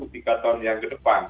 tiga tahun yang ke depan